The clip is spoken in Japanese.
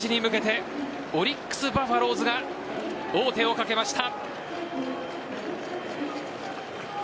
２６年ぶりの日本一に向けてオリックス・バファローズが王手をかけました。